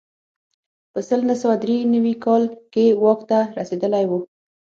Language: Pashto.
په سل نه سوه درې نوي کال کې واک ته رسېدلی و.